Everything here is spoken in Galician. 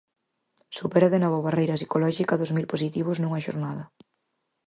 Supera de novo a barreira psicolóxica dos mil positivos nunha xornada.